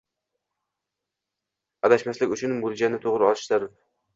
Adashmaslik uchun mo‘ljalni to‘g‘ri olish zarur